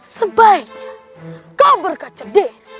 sebaiknya kau berkaca dewa